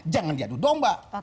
jangan diadu dong mbak